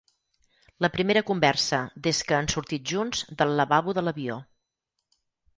La primera conversa des que han sortit junts del lavabo de l'avió.